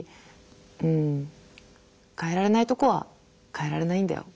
うん変えられないとこは変えられないんだよ。